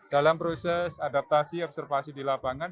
dalam proses adaptasi observasi di lapangan